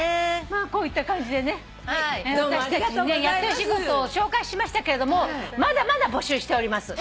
まあこういった感じでね私たちにやってほしいことを紹介しましたけれどもまだまだ募集しております。